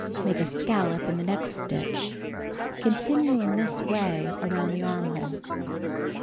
Make a scallop in the next stitch. Continue in this way around the armhole.